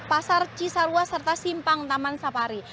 pasar cisarwa serta simpang taman sapari